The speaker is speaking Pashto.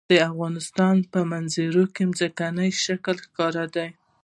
د افغانستان په منظره کې ځمکنی شکل ښکاره دی.